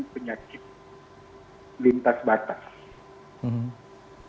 penyakit lintas batas